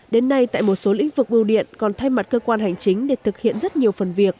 đến nay tại một số lĩnh vực bưu điện còn thay mặt cơ quan hành chính để thực hiện rất nhiều phần việc